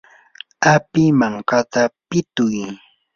api mankata pituy.